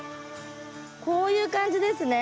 こういう感じですね。